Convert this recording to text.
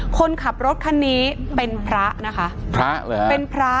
คนขับรถคันนี้เป็นพระพระอ๋อเป็นพระ